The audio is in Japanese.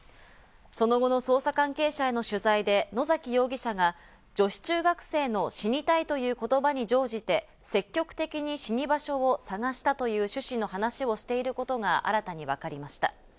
その後の捜査関係者への取材で野崎容疑者が女子中学生の死にたいという言葉に乗じて、積極的に死に場所を探したという趣旨の話をしていることが新たに分かりました。